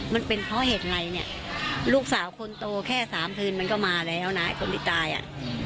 มันเป็นเพราะเหตุอะไรเนี่ยลูกสาวคนโตแค่สามคืนมันก็มาแล้วนะไอ้คนที่ตายอ่ะ